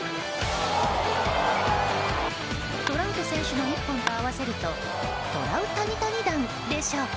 トラウト選手の１本と合わせるとトラウタニタニ弾でしょうか？